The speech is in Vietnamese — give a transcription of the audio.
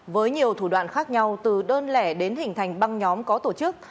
với nhiều thủ đoạn khác nhau từ đơn lẻ đến hình thành băng nhóm có tổ chức